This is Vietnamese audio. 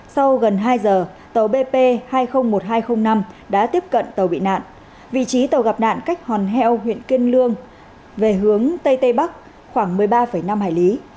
sau gần hai giờ tàu bp hai mươi một nghìn hai trăm linh năm đã tiếp cận tàu bị nạn vị trí tàu gặp nạn cách hòn heo huyện kiên lương về hướng tây tây bắc khoảng một mươi ba năm hải lý